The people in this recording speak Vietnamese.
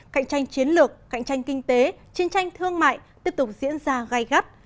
cạnh tranh chiến lược cạnh tranh kinh tế chiến tranh thương mại tiếp tục diễn ra gai gắt